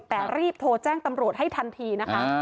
แต่รีบโทรแจ้งตำรวจให้ทันทีนะคะ